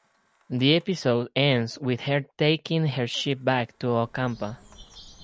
The episode ends with her taking her ship back to Ocampa.